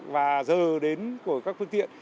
và giờ đến của các phương tiện